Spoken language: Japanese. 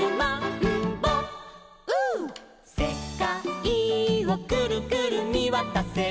「せかいをくるくるみわたせば」